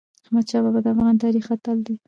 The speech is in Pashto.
احمدشاه بابا د افغان تاریخ اتل دی.